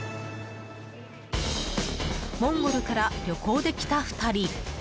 モンゴルから旅行で来た２人。